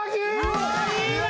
うわいいな！